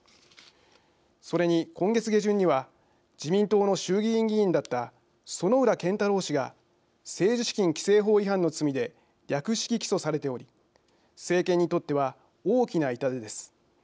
それに、今月下旬には自民党の衆議院議員だった薗浦健太郎氏が政治資金規正法違反の罪で略式起訴されており政権にとっては大きな痛手です。